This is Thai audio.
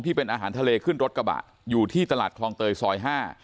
ที่เป็นอาหารทะเลขึ้นรถกระบะอยู่ที่ตลาดคลองเตยซอย๕